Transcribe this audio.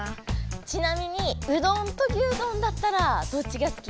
ちなみにうどんとぎゅうどんだったらどっちがすき？